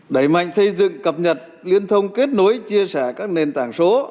đẩy mạnh xây dựng cập nhật liên thông kết nối chia sẻ các nền tảng số